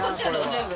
全部？